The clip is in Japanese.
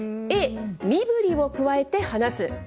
Ａ、身振りを加えて話す。